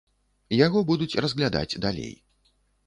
Яго будуць разглядаць далей.